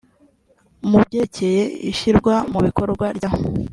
mu byerekeye ishyirwa mu bikorwa rya